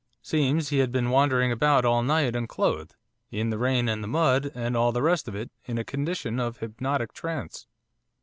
Seems he had been wandering about all night, unclothed, in the rain and the mud, and all the rest of it, in a condition of hypnotic trance.